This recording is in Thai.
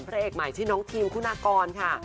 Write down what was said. พระเอกใหม่ชื่อน้องทีมคุณากรค่ะ